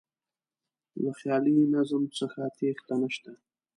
له خیالي نظم څخه تېښته نه شته.